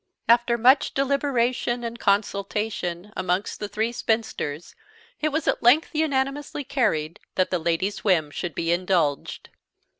After much deliberation and consultation amongst the three spinsters, it was at length unanimously carried that the Lady's whim should be indulged.